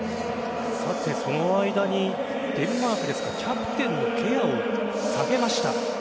その間に、デンマークですがキャプテンのケアを下げました。